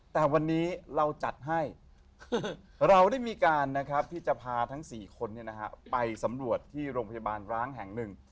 แต่วันนี้เราจัดให้เราได้มีการที่จะพาทั้ง๔คนไปสำรวจที่โรงพยาบาลร้างแห่งหนึ่ง